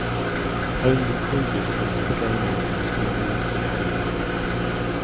Only previously have game engines been used in Hollywood.